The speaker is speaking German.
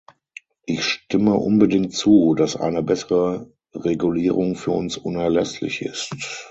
Ich stimme unbedingt zu, dass eine bessere Regulierung für uns unerlässlich ist.